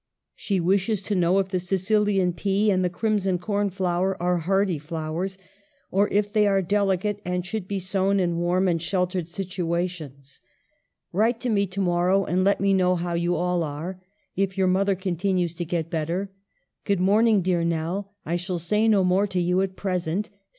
She wishes to know if the Sicilian pea and the crimson cornflower are hardy flowers, or if they are delicate and should be sown in warm and sheltered situations. Write to me THE PROSPECTUSES. 149 to morrow and let me know how you all are, if your mother continues to get better. ..." Good morning, dear Nell, I shall say no more to you at present.